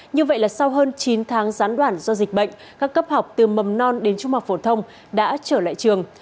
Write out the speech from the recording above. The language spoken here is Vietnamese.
như vậy là sau hơn chín tháng gián đoạn do dịch bệnh các cấp học từ mầm non đến trung học phổ thông đã trở lại trường